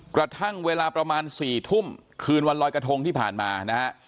กระทั่งเวลาประมาณ๔ทุ่มคืนวันลอยกระทงที่ผ่านมานะฮะ